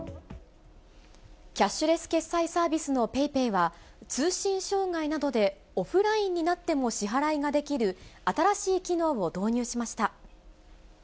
キャッシュレス決済サービスのＰａｙＰａｙは、通信障害などでオフラインになっても支払いができる新しい機能を導入しました。